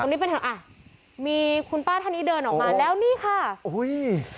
นี้ไปเถอะอ่ะมีคุณป้าท่านนี้เดินออกมาแล้วนี่ค่ะอุ้ย